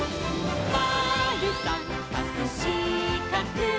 「まるさんかくしかく」